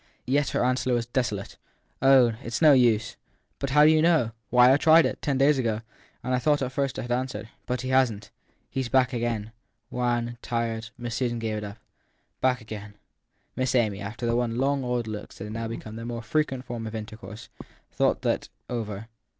Yet her answer was desolate. < Oh, it s no use ! But how do you know ? < Why, I tried it ten days ago, and I thought at first it had answered. But it hasn t. 1 He s back again ? Wan, tired, Miss Susan gave it up. < Back again. Miss Amy, after one of the long, odd looks that had now become their most frequent form of intercourse, thought it over.